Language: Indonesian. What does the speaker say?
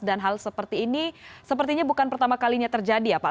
dan hal seperti ini sepertinya bukan pertama kalinya terjadi ya pak